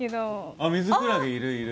あっミズクラゲいるいる。